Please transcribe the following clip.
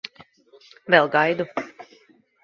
Vēl gaidu.